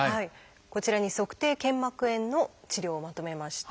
こちらに足底腱膜炎の治療をまとめました。